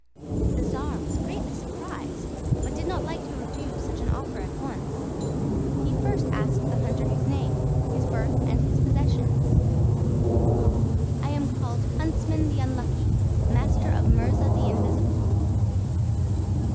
The czar was greatly surprised, but did not like to refuse such an offer at once; he first asked the hunter his name, his birth and his possessions. "I am called Huntsman the Unlucky, Master of Murza the Invisible."